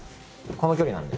この距離なんで。